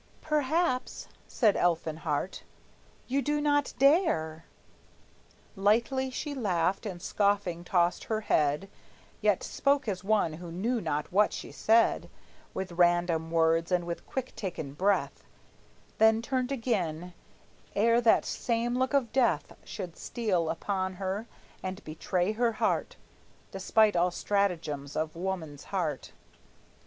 "Perhaps," said Elfinhart, "you do not dare!" Lightly she laughed, and scoffing tossed her head, Yet spoke as one who knew not what she said, With random words, and with quick taken breath; Then turned again, ere that same look of death Should steal upon her and betray her heart Despite all stratagems of woman's art.